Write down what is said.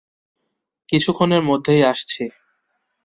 কিছুক্ষণের মধ্যেই আসছি।